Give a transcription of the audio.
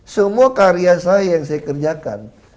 semua karya saya yang saya kerjakan